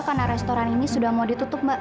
karena restoran ini sudah mau ditutup mbak